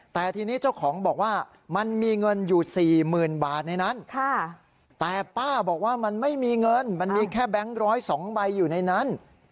แต่ทีนี้เจ้าของบอกว่ามันมีเงินอยู่๔๐๐๐บาทในนั้นแต่ป้าบอกว่ามันไม่มีเงินมันมีแค่แบงค์๑๐๒ใบอยู่ในนั้น